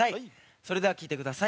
それでは聴いてください。